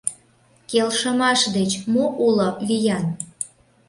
Келшымаш деч мо уло виян?